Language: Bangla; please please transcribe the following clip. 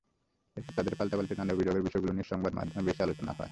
এরপর তাঁদের পাল্টাপাল্টি নানা অভিযোগের বিষয়গুলো নিয়ে সংবাদমাধ্যমে বেশ আলোচনা হয়।